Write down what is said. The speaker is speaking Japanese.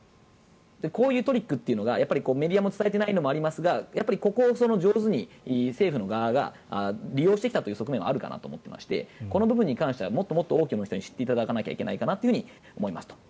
こういうトリックというのがメディアも伝えてないのもありますがここを上手に政府側が利用してきた側面はあるかなと思ってましてこの部分に関してはもっと多くの人に知っていただかないといけないと思いますと。